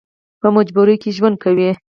په مجبورۍ کې ژوند کوي.